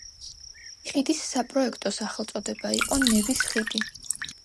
ხიდის საპროექტო სახელწოდება იყო ნევის ხიდი.